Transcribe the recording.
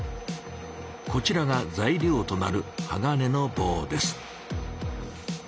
こちらが材料となる鋼の棒です。